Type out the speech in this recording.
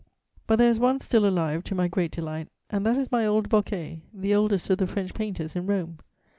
But there is one still alive, to my great delight, and that is my old Boquet, the oldest of the French painters in Rome.